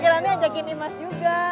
kiranya ajakin imas juga